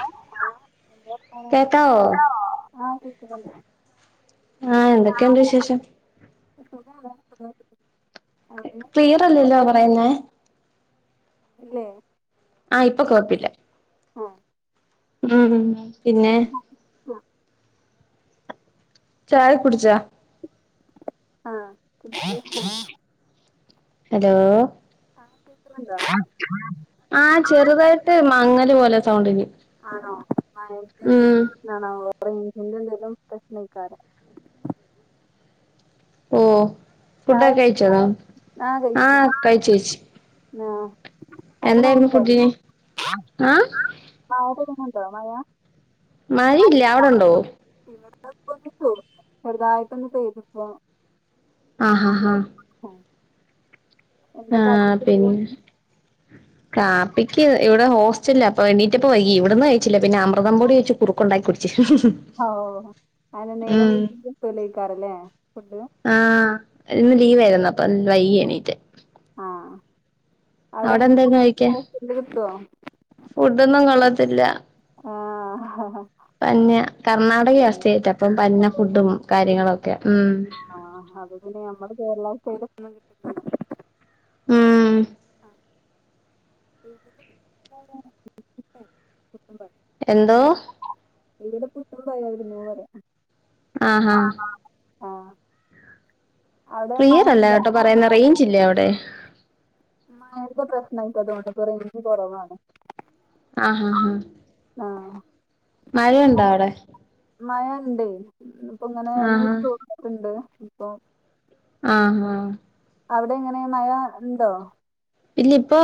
Hello hello എന്താ വർത്താനം കേക്കാവോ ആഹ്‌ കേക്ക്ന്ന്ണ്ട് ആഹ് എന്തെക്കെണ്ട് വിശേഷം സുഖാണ് [unintelligible] അവിടേ ക്ലിയറില്ലല്ലോ പറയുന്നേ ഇല്ലേ ആഹ് ഇപ്പൊ കൊയ്പ്പില്ല ഉം ഉം ഉം ചായക്കെ കുടിച്ചോ? ആഹ് ഹലോ ആഹ് കേക്കുന്നുണ്ടോ ആഹ് ചെറുതായിട്ട് മങ്ങല് പോലെ സൗണ്ടിന് ആണോ ഉം ആണോ റേഞ്ചിന്റെ എന്തെലും പ്രശ്നയ്ക്കാരം ഓഹ് ഫുഡ്‌ ചായ ഒക്കെ കുടിച്ചോ കഴിച്ചോ ആഹ് കഴിച്ചു ചേച്ചി ആഹ് അവിടെ ഫുഡിന് [unintelligible] ആഹ് ആവിടെ [unintelligible] മഴ മഴയില്ല അവിടെണ്ടോ ഇവട്ത്തെ ഇപ്പൊന്ന് ചോർന്ന് ചെറുതായിട്ടൊന്ന്‌ പെയ്തിപ്പോ ആഹ് ആഹ് ആഹ് [inaudible] എന്താ ആഹ് പിന്നെ കടി കാപ്പിക്ക് ഇവിടെ ഹോസ്റ്റല അപ്പൊ എണ്ണീറ്റപ്പം വൈകി ഇവിടന്ന് ചിലവിന് അമൃതം പൊടി വെച്ച് കുറുക്ക് ഉണ്ടാക്കി കുടിച്ച് ഹ ഹ ഹ ഔ നാല് നേരം കിട്ടൂലയ്ക്കാരല്ലേ ഫൂഡ്? ആഹ് ന്ന് ലീവായിരുന്നു അപ്പൊ വൈകിയ എണീറ്റെ. ആഹ് അവിടെ എങ്ങനെ എന്തായിരുന്നു കഴിക്കാൻ [inaudible] കിട്ടുവോ ഫുഡൊന്നും കൊള്ളത്തില്ല. ആഹ് ഹ ഹ ഹാ പന്ന കർണാടകയാ സ്റ്റേറ്റ് അപ്പം പന്ന ഫുഡും കാര്യങ്ങളൊക്കെയാ ഉം. ആ അത് പിന്നെ നമ്മളെ കേരള സ്റ്റയ്ലൊന്നും കിട്ടികൊല്ലണം ന്നില്ല ഊം [inaudible] എന്തോ? ഇവിടെ പുട്ടും പഴരുന്നു പറയ. ആഹാ ആഹ്. ക്ലിയർ അല്ലട്ടോ പറയുന്നെ റേഞ്ച് ഇല്ലേ അവിടെ ആഇപ്പോ പ്രശ്നയിക്ക തോന്ന്ണ്ട് ഇപ്പം റേഞ്ച് കുറവാണ്. ആഹ് ഹ് ഹ ആഹ്. മഴണ്ടോ അവടെ? മയണ്ട് പ്പങ്ങനെ ആഹാ തോർന്നിട്ട്ണ്ട് ഇപ്പൊ ആഹ് ഹ അവിടെങ്ങനെ മഴ ണ്ടോ? ഇല്ല ഇപ്പോ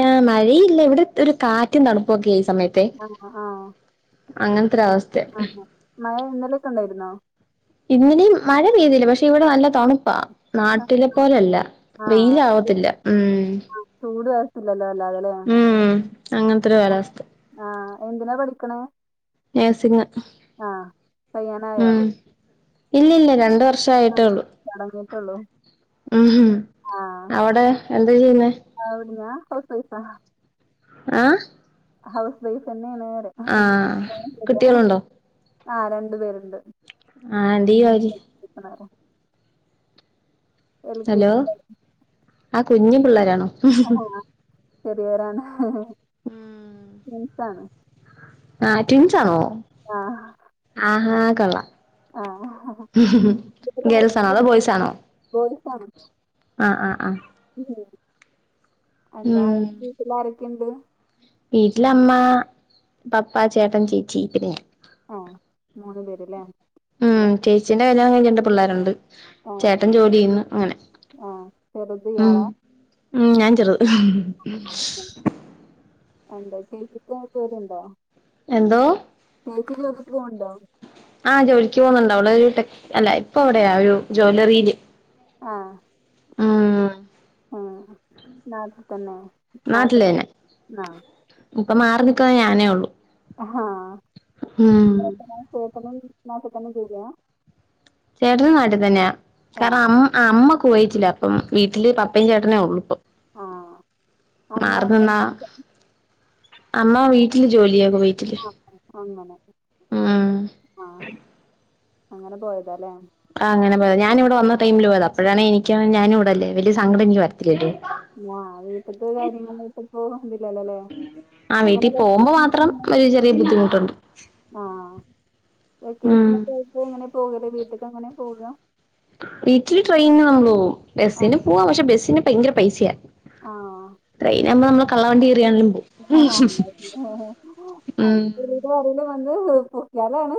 ഏഹ് മഴയില്ല ഇവിടെ ഒരു കാറ്റും തണുപ്പൊക്കെ ഈ സമയത്ത്. ആഹ് ആഹ് ഇപ്പേയ് അങ്ങൻത്തൊരു അവസ്ഥ. ആഹ് മഴ ന്നലെക്കെ ണ്ടായിരുന്നോ? ഇന്നലേം മഴ പെയ്തിയില്ല പക്ഷെ ഇവിടെ നല്ല തണുപ്പാ. നാട്ടിലെ പോലല്ല ആഹ് വെയിലാവത്തില്ല ഉം. ചൂട് [unintelligible] വല്ലാതെല്ലേ ഉം അങ്ങനത്തെ ഒരു കാലാവസ്ഥ ആഹ് എന്തിനാ പഠിക്കണ? നഴ്സിംഗ് കയ്യാനായോ ഉം ഇല്ലില്ല രണ്ട് വർ ആഹ് ഷായിട്ടൊള്ളൂ തൊടങ്ങിട്ടുള്ളൂ അവിടെ എന്താ ചെയ്യുന്നേ? അവ്ട്ന്നാ ഹൗസ് വൈഫ. ആഹ് ഹൗസ് വൈഫ് തന്നെയാണ് ആഹ് ന്നറേ കുട്ടികളുണ്ടോ ആ രണ്ടു പേരുണ്ട്. [unintelligible] വരി ആഹ് കെ ഹലോ ജി ആ കുഞ്ഞി പിള്ളേരാണോ? അ ആ ചെറ്യേതാണ്. ഉം ട്വിൻസാണ്. ആഹ് ട്വിൻസാണോ? ആഹ് ആഹാ കൊള്ളാം. ആഹ് ഹ് ഹ് ഹ്മ് ഗേൾസാണോ വീട്ടിലാരൊക്കെയുണ്ട് അതോ ബോയ്സാണോ? ആ ആ ആ ഉം എന്താ [unintelligible] വീട്ട്ലാരൊക്കെണ്ട് വീട്ടിലമ്മാ പപ്പൻ ചേട്ടൻ ചേച്ചീ പിന്നെ ഞാൻ. ആഹ് മൂന്ന് പേര്ലേ ങ്ങൾ ച്ചിന്റെ കല്ല്യാണംകഴ്ഞ്ഞ് രണ്ട് പിള്ളേരുണ്ട്. ചേട്ടൻ ജോല്യയ്യ്ന്ന് അങ്ങനെ ആഹ് ചെറുത് ഉം. ഇയാളാ ഉം ഞാൻ ചെറ്ത് അൻ്റെ ചേച്ചിക്ക് [unintelligible] ണ്ടോ എന്തോ ചേച്ചിൻ്റെ വീട്ട്ക്ക് പോവ്ണ്ടോ ആഹ് ജോലിക്ക് പോക്ന്ന്ണ്ട് അവളൊര് ടെക് അല്ല ഇപ്പവിടെയാ ഒരു ജ്വല്ലറീൽ ആഹ് ആഹ് ആഹ് നാട്ട് തന്നെ നാട്ട് ആ ഇപ്പം മാറി നിക്ക്ണത് ഞാനേ ഒള്ളൂ ആഹ് ചേട്ടനോ ചേട്ടനും നാട്ട്ത്തന്നെ ജോലിയാ ചേട്ടനും നാട്ടീതെന്നെയാ ആഹ് കാരണം അ അമ്മ കുവയ്ത്തിലാപ്പം വീട്ടില് പപ്പയും ചേട്ടനേ ഒള്ളൂ ഇപ്പം ആഹ് അമ്മ മാർ എങ്ങനെ- നിന്നാ അമ്മ വീട്ടിൽ ജോലിയാ കുവൈ ആഹ് അങ്ങനെ മ ഉം ആ അങ്ങനെ പോയതാലേ ആ അങ്ങനെ പോയ ഞാനിവ്ടെവന്ന ടൈമില് പോയതാ അപ്പോഴാണേ എനിക്ക് ഞാനുംവ്ടല്ലേ വല്ല്യൊരു സങ്കടെനിക്ക് വര്ത്തില്ലല്ലോ ആഹ് വീട്ട്ത്തെ കാര്യങ്ങളായ്ട്ട്പ്പോ ഇത് ല്ലല്ലൊലേ ആ അങ്ങനെ വീട്ടിൽ [inaudible] പോകുമ്പോ മാത്രം ഒരു ചെറിയ ബുദ്ധിമുട്ടുണ്ട് ആഹ് ഉം വെക്കേഷനെക്കായ്ട്ട് ങ്ങനെ പോകൽ വീട്ടിക്കങ്ങനെ പോകാ വീട്ടിൽ ട്രെയ്ന് നമ്മൾ പോവും ആഹ് ബസ്സിന് പോവാ പക്ഷെ ബെസ്സിന് ഭയ്ങ്കര പൈസെയാ ആഹ് കയറിയാണെങ്കിലും ആഹ് പോവും അങ്ങന്ല്ലേ [inaudible] ഉം ആരേലും വന്ന് പൊക്ക്യാലാണ്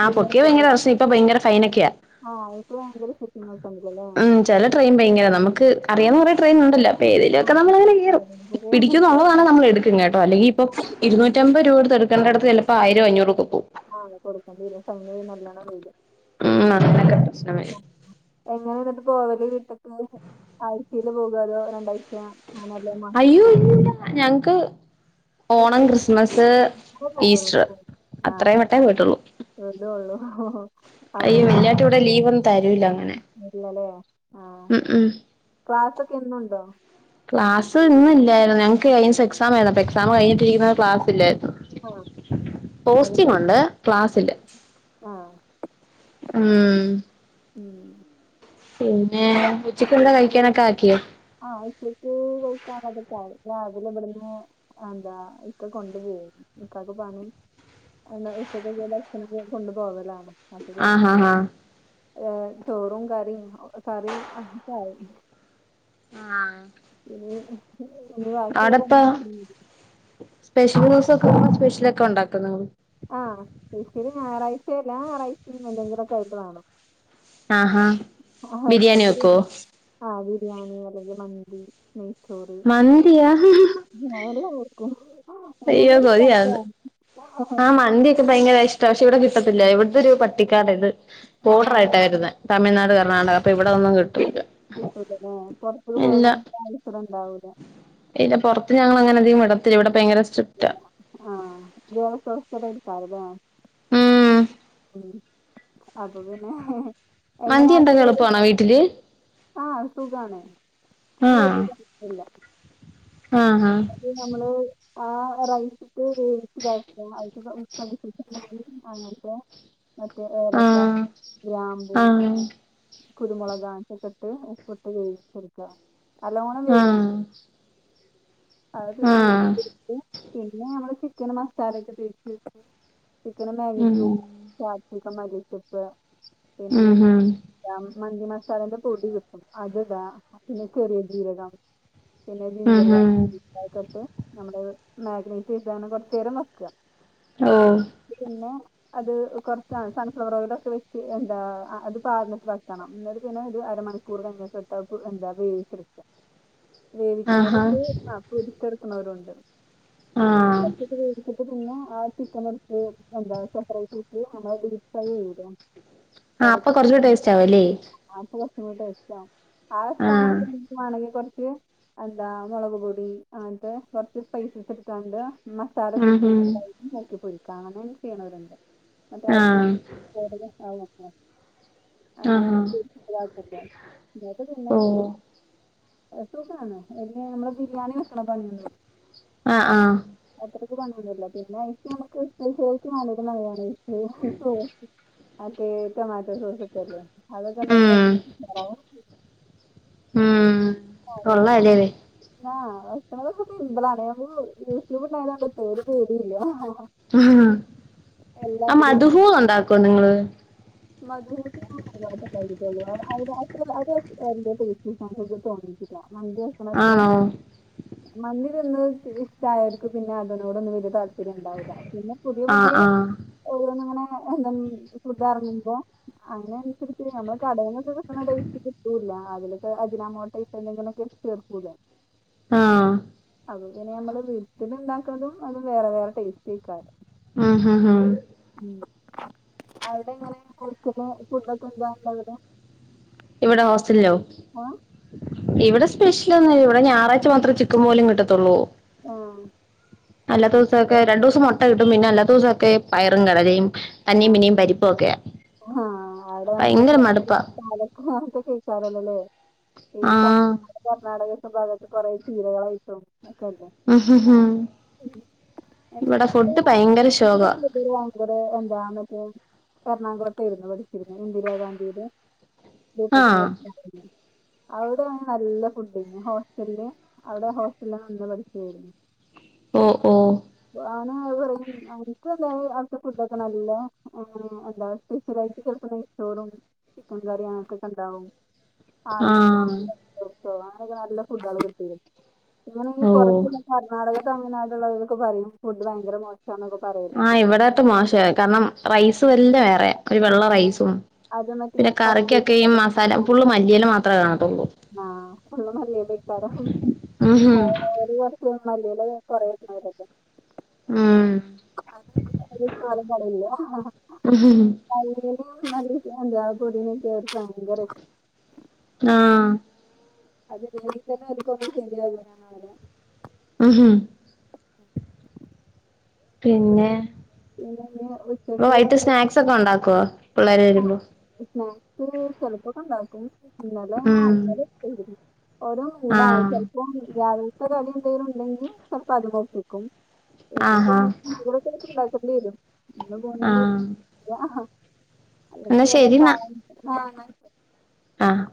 ആഹ് പൊട്യാ ഭയ്ങ്കര പ്രശനം ഇപ്പം ഭയ്ങ്കര ഫൈനൊക്കെയാ ആഹ് ഇപ്പം ഭയ്ങ്കര ചെക്കിങ്ങൊക്കെണ്ട്ലേ ഉം ചെല ട്രെയിൻ ഭയ്ങ്കരതാ നമക്ക് അറിയാവ്ന്ന കൊറേ ട്രെയിൻണ്ടല്ലോ പ്പേതേലൊക്കെ നമ്മള്ങ്ങനെ കേറും പിടിക്കുംന്നുന്നള്ളതാണേ നമ്മളെടുക്കു പിന്നേട്ടോ അല്ലങ്കിപ്പൊ ഇരുന്നൂറ്റമ്പത് രൂപൊട്ത്ത് ട്ക്കണ്ടോട്ത്ത് ചെൽപ്പോ ആയിരോ അഞ്ഞൂറൊക്കെ പോവും ആഹ് കൊടുക്കെണ്ട്യെരും ഫൈൻ നല്ലോണം വെരും ഉം അത്രെക്കെ പ്രശ്നങ്ങൾ എങ്ങനെന്നട്ട് പോവൽ ട്ട്ക്ക് ആഴ്ച്ചേൽ പോകലോ രണ്ടായ് അയ്യോ ല്ലാ ഞങ്ങക്ക് ഓണം വെക്കേഷനിലേ ക്രിസ്മെസ് പോകുള്ളൂ ഈസ്റ്റർ അത്രേ വെട്ടേ പോയ്ട്ടൊള്ളൂ ലൊള്ളൂ ഹ് ഹ് അയ്യോ വെല്ലാട്ട് വടെ ലീവൊന്നും തെരൂലങ്ങനെ ഇല്ലലേ മ് മ് എന്നുണ്ടോ ക്ലാസ് ഇന്ന്ല്ലാര്ന്നു ഞങ്ങക്ക് കഴ്നേസം എക്സാമേര്ന്നപ്പം എക്സാംകഴ്ഞ്ഞ്ട്ടിര്ക്ക്ന്ന ക്ലാസില്ലേര്ന്നു ആ ഇല്ലായിരുന്നു പോസ്റ്റിങ്ങുണ്ട് ക്ലാസ്സില ആഹ് ഉം ഉം പിന്നെ ഉച്ചക്ക് ന്താ കഴിക്കാനൊക്കെ ആക്കിയോ ആഹ് ഉച്ചയക്ക് കഴിക്കാനായി രാവിലെ വെട്ന്ന് എന്താ ഇക്ക കൊണ്ടു പോയി ഇക്കാക്ക് പണി ഉച്ചയ്ക്ക് കൊണ്ടു പോകലാണ് അപ്പ പിന്നെ ആഹ് ആഹ് ആഹ് ഏ ചോറും കറിം കറിം ആഹ് ഊഹ് ആ ടെപ്പോ സ്പെഷ്യല് ദിവസൊക്കെ സ്പെഷ്യലോ ക്കെ ഒണ്ടാക്കുന്ന ആഹ് സ്പെഷല് ഞായറാഴ്ച യല്ലാ ഞാറാഴ്ച്ചിം എന്തെങ്കിലും ഒക്കെ ആയിട്ട് വാണം ആഹാ ബിരിയാണി വെക്കോ ആഹ് ബിരിയാണി അല്ലെങ്കി മന്തി നെയ്--‌ മന്തിയാ [unintelligible] ആഹ് മന്തിയൊക്കെ ഭയങ്കര ഇഷ്ടാ പക്ഷെ ഇവിടെ കിട്ടത്തില്ല ഇവിട്തൊരു പട്ടിക്കാട്ത് ആഹ് ബോഡറായിട്ടാ വരുന്നെ തമിഴ്നാട് കർണാടക അപ്പ ഇവിടെന്നും കിട്ടുല്ല സ്കൂളിൽ പൊവാൻ [unintelligible] ഉണ്ടാഹൂല ഇല്ല പൊറത്ത് ഞങ്ങള ങ്ങനെ അധികം വിടത്തില്ല ഇവെടെ ഭയങ്കര സ്ട്രിക്റ്റാ ആഹ് [unintelligible] കാരലേ ഉം ഉം അപ്പ പിന്നെ എങ്ങനെ മന്തി അത് ണ്ടാക്കാൻ എളുപ്പാണോ വീട്ടില് ആഹ് സുഖാണ് അയ്ന് ആഹ് [unintelligible] ആഹ് ഹാ ത് നമ്മള് ആഹ് റൈ [unintelligible] [unintelligible] മറ്റേ ഏലക്ക ആഹ് ഗ്രാമ്പു ആഹ് കുരുമുളക് അങേൻതൊക്കെ ട്ട് ഉപ്പിട്ട് വേവിച്ചെട്ക്ക നല്ലോണം വേ ആഹ് അത് പിന്നെ ആഹ് ഊറ്റിട്ക്കും പിന്നെ നമ്മള് ചിക്കന് മസാലെ ക്കെ തേയ്ച്ച് ചിക്കനും മാഗി ഉം ക്യൂബ് ചാർത്തിക്ക മല്ലിച്ചപ്പ് പിന്നെ ഉം ഉം ഈ മന്തി മസാലേന്റെ പൊടി കിട്ടും അത്ടാ പിന്നെ ചെറിയ ജീരകം പിന്നെ ഉം ജിഞ്ചർ ഉം ഗാർലിക്ക് [unintelligible] നമ്മള് മാഗ്നേറ്റ് ചെയ്താണ്ട് കൊറ്ചെരം വയ്ക്ക ആഹ് പിന്നെ അത് കൊറ്ച്ചാണ് സൺഫ്ലവറോയിലോക്കെ വെച്ച് എന്താ അത് പാർന്നിട്ട് വയ്ക്കണം ന്ന്ട്ട് പിന്നെ ഒര് അരമണി ക്കൂർ കഴിഞ്ഞിട്ട് [unintelligible] എൻത വേവിച്ചെട്ക്ക ആഹാ വേവിക്കുന്നൊരുണ്ട് ആഹ് പൊരിച്ചേട്ക്കുന്നൊരുണ്ട് ആഹ് പിന്നെ ആ ചിക്കനെട്ത്ത് എന്താ സപ്രെയ്റ്റ്ട്ട് നമ്മളെ [unintelligible] ആ അപ്പൊ കൊറച്ചൂടെ [unintelligible] ടേസ്റ്റ് ആവുല്ലേ ആഹ് സമയത്ത് മാണങ്കി കൊറ്ച്ച് എന്താ മുളക് പൊ പി [unintelligible] കൊറ്ച്ച് പൈസസ് ട്ടാണ്ട് മസാല ഉം കൂട്ടി ഉം നോക്കി പൊരിക്കാം അങ്ങനെ ചെയ്യ്ണവര്ണ്ട് ആഹ് [unintelligible] അങ്ങെനെ ആഹ് ആഹ് നമ്മക്ക് [unintelligible] ന്നട്ട് ഓ പിന്നെങ്ങനെ എത്തുക്കാണ് [unintelligible] [unintelligible] നമ്മള് ബിരിയാണി വെക്ണ പണിയൊന്നുല്ല ആഹ് ആഹ് അത്രയ്ക്ക് പണിയൊന്നുല്ല പിന്നെഅയിക്ക് ഞമ്മക്ക് [unintelligible] [unintelligible] മറ്റെ റ്റൊമാറ്റോ സോസ് ല്ലേ അതൊക്കെ ണ്ടെങ്കിലും ഉം [unintelligible] ഉം ആതെ കൊള്ളാല്ലേ ആഹ് ഭക്ഷണൊക്കെ സിമ്പിള ആണ് ഞ യൂട്യൂബ് ഉണ്ടായതൊണ്ടിപ്പൊ ഒരു പേടിയില്ല ആ എല്ലാത്തിലും മധഹൂ ഉണ്ടാക്കും ഇങ്ങള് മധ്ഹൂത്ത് അയിനായിട്ട്ള്ളെ [unintelligible] [unintelligible] മന്തി വെക്ക്ണത്ര ആണോ മന്ദി തിന്ന് ഇഷ്ടായവർക്ക് പിന്നെ അതിനോടൊന്നും വലിയ താല്പര്യം ഉണ്ടാവില്ല പിന്നെ പുതിയ ആഹ് പുതിയ ആഹ് ഓരോന്ന് ഇങ്ങനെ എന്ത ഫു അതിന അനുസരിച്ച് നമ്മള് കടലൊക്കെ ക കിട്ട്ണടേസ്റ്റൊന്നും കിട്ടുല്ല അതിലൊക്കെ അജിനാമോട്ട ഇട്ട് എന്തെങ്കിലൊക്കെ ചേർക്കൂലേ ആഹ് അത് ഇങ്ങനെ നമ്മള് വീട്ടിൽ ഉണ്ടാക്കുന്നതും അതും വേറെ വേറെ ടേസ്റ്റക്കാരം ഉം ഹു ഹ് ഉം അവിടെ എങ്ങനെയ കൊടുക്ക ഫുഡൊക്കെ എന്താണ്ടര് ഇവിടെ ഹോസ്റ്റലിലോ ഇവിടെ സ്പെഷ്യൽന്ന ഇവിടെ ഞായറാഴ്ച മാത്രേ ചിക്കൻ പോലും കിട്ടത്തുള്ളൂ ഓഹ് അല്ലാ ദിവസൊക്കെ രണ്ടു ദിവസം മുട്ട കിട്ടും പിന്നെ അല്ലാ ദിവസംക്കെ പയറും കടലയും ആ തന്നിയും പിന്നെയും പരിപ്പൊക്കെയ ഭയങ്കര മടുപ്പാ പാലക്കത്തെ കേൾക്കാറല്ലല്ലേ ഈ ആഹ് കർണാടക ഭാഗ കുറെ ചീരകളായിട്ടും ഒക്കെല്ലേ ഉം ഹു ഹ് അല്ല ഇവിടെ ഫുഡ് ഭയങ്കര ശോകവ ഇവരെ എന്താ മറ്റേ ഒ കട്ടയിരുന്നു പഠിച്ചിരുന്നു ഇന്ദിരാഗാന്ധിയുടെ ബൂത്തക്കിന ആഹ് പഠിച്ചയിരുന്നു അവിടെ നല്ല ഫുഡ് ആയിന്നു ഹോസ്റ്റലില് അവിടെ ഹോസ്റ്റല നന്ന പഠിച്ചായിരുന്നു ഓ ഓ ഞാന അത് പറയും എനക്ക്ത അടുത്തെ ഫുഡക്കണല്ല എ സ്പെഷ്യലായിട്ട് ചെപ്പോ നെയ്ച്ചോറും ചിക്കൻ കറിയും അങ്ങനത്തെക്കൊക്കെ ഉണ്ടാവും ആഹ് [inaudible] അങ്ങനെയക്കെ നല്ല ഫുഡള് കിട്ടരും ഇങ്ങനെ ഒക്കെ ഓ പുറത്ത് കർണാടക തമിഴ്നാടുള്ളവരൊക്കെ പറഞ്ഞു ഫുഡ് പയങ്കര മോശ ഷന്നോക്കെ പറ ആഹ് ഇവിടായിട്ട് മോശമായി കാരണം റൈസ് വല്ല വേറെ ഒരു വെള്ള റൈസും അത് മറ്റേ പിന്നെ പച്ചരി കറിക്കൊക്കെ ഈ മസാല ഫുള്ള് മല്ലിയല്ല മാത്രമേ കാണത്തുള്ളൂ ആഹ് ഫുള്ള് മല്ലിയേല ഇട്ട [inaudible] ഉംഹും മല്ലിയില കൊറയുന്നവരക്കെ ഉം അത് സലടില്ല ഉംഹും [inaudible] മല്ലിയിലയും നല്ല എന്താ പുതിനയും അവർക്ക് ഭയങ്കര ഇഷ് ആഹ് അതല്ല ഇതി തന്നെ ഉർക്കൊപ ശരിയാകോനെ എന്ന പറഞ്ഞെ ഉം ഹു ഉം പിന്നെ പിന്നെ ഇനി ഇപ്പ ഉച്ചയ്ക്ക് വൈകട്ട് സ്നാക്സ് ഒക്കെ ഉണ്ടാക്കുവോ പിള്ളേര് വരുമ്പോ സ്നാക്സ് ചെലപ്പോക്കെണ്ടാക്കും ഇന്നാലെ ഉം ആൾക്കാര് ഒരു മൂടാണ് ആഹ് ചെലപ്പോ രാവിലത്തെ കടി എന്തെങ്കിലും ഉണ്ടെങ്കിൽ ചെപ്പോ അത് നോക്കിക്കും ആഹാ എടെ ഉണ്ടാക്കണ്ട വരും ഇന്ന് പോന്നു ആഹ് ആഹ അല്ലെങ്കി എന്നാ വെല്ല പാ ശരിന്നാ [inaudible] ആണ് ആഹ്